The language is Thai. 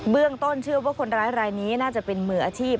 ต้นเชื่อว่าคนร้ายรายนี้น่าจะเป็นมืออาชีพ